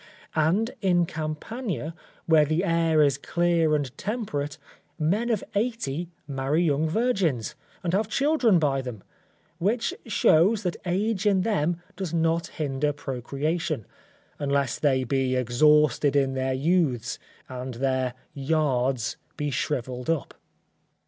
And in Campania, where the air is clear and temperate, men of 80 marry young virgins, and have children by them; which shows that age in them does not hinder procreation, unless they be exhausted in their youths and their yards be shrivelled up.